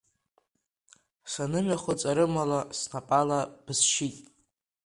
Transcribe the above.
Санымҩахыҵ арымала Снапала бысшьит!